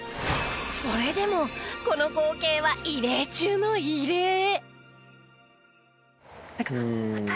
それでもこの光景は異例中の異例。